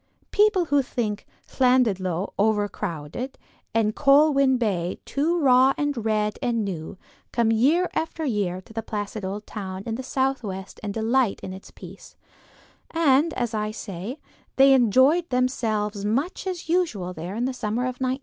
People who think Llandudno overcrowded and Colwyn Bay too raw and red and new, come year after year to the placid old town in the southwest and delight in its peace; and as I say, they enjoyed themselves much as usual there in the summer of 1915.